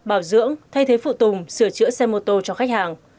bảo dưỡng thay thế phụ tùng sửa chữa xe mô tô cho khách hàng